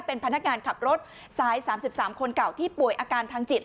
เป็นพนักงานขับรถสาย๓๓คนเก่าที่ป่วยอาการทางจิต